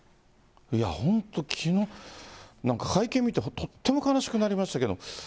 いや本当、きのう、会見見て、とっても悲しくなりましたけれども。